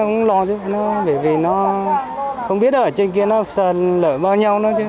mình cũng cảm thấy lo chứ bởi vì nó không biết ở trên kia nó sờn lở bao nhiêu nữa chứ